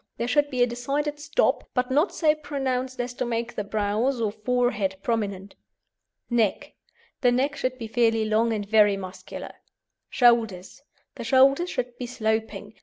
There should be a decided "stop," but not so pronounced as to make the brows or forehead prominent. NECK The neck should be fairly long and very muscular. SHOULDERS The shoulders should be sloping.